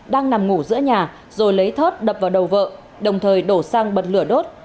đang nằm ngủ giữa nhà rồi lấy thớt đập vào đầu vợ đồng thời đổ xăng bật lửa đốt